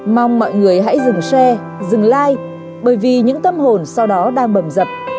mong mọi người hãy dừng share dừng like bởi vì những tâm hồn sau đó đang bầm dập